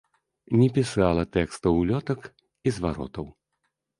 Не пісала тэкстаў улётак і зваротаў.